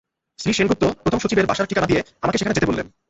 শ্রী সেনগুপ্ত প্রথম সচিবের বাসার ঠিকানা দিয়ে আমাকে সেখানে যেতে বললেন।